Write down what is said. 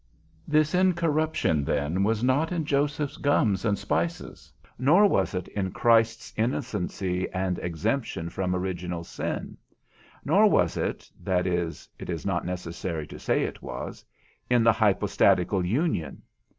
This incorruption then was not in Joseph's gums and spices, nor was it in Christ's innocency, and exemption from original sin, nor was it (that is, it is not necessary to say it was) in the hypostatical union.